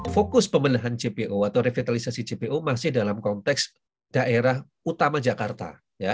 fokus pembenahan jpo atau revitalisasi jpo masih dalam konteks daerah utama jakarta